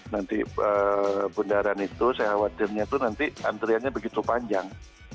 nanti bundaran itu saya khawatirnya itu nanti antriannya begitu panjang